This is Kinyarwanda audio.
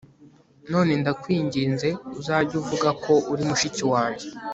none ndakwinginze uzajye uvuga ko uri mushiki wanjye